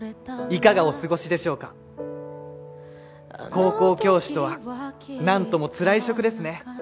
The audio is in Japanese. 高校教師とはなんともつらい職ですね